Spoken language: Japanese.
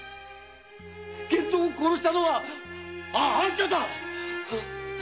源蔵を殺したのはあんただ！